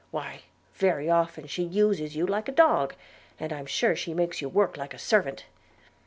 Why, very often she uses you like a dog, and I'm sure she makes you work like a servant.